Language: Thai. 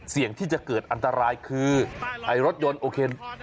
เสี่ยงที่จะเกิดอันตรายคือไอ้รถยนต์โอเค